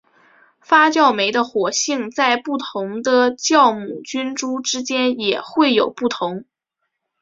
发酵酶的活性在不同的酵母菌株之间也会有不同。